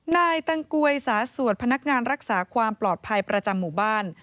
นายตังกวยสาสวดพนักงานรักษาความปลอดภัยประจำหมู่บ้าน